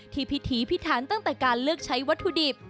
พิถีพิถันตั้งแต่การเลือกใช้วัตถุดิบ